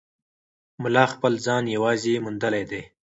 ملا خپل ځان یوازې موندلی دی.